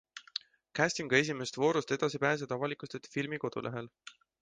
Castingu esimesest voorust edasipääsejad avalikustati filmi kodulehel.